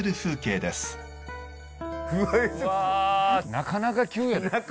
なかなかやな！